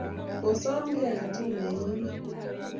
kisom kiy age tugul eng' emet